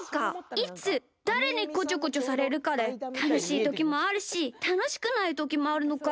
いつ、だれにこちょこちょされるかでたのしいときもあるしたのしくないときもあるのか。